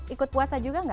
ikut puasa juga gak